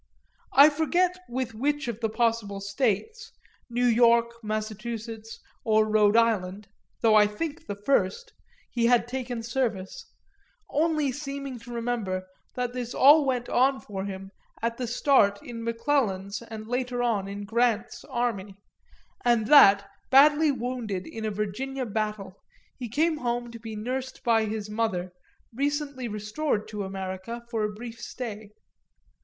I forget with which of the possible States, New York, Massachusetts or Rhode Island (though I think the first) he had taken service; only seeming to remember that this all went on for him at the start in McClellan's and later on in Grant's army, and that, badly wounded in a Virginia battle, he came home to be nursed by his mother, recently restored to America for a brief stay.